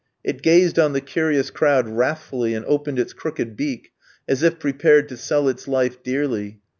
It gazed on the curious crowd wrathfully, and opened its crooked beak, as if prepared to sell its life dearly.